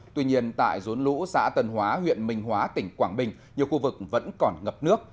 tuy nhiên tại rốn lũ xã tân hóa huyện minh hóa tỉnh quảng bình nhiều khu vực vẫn còn ngập nước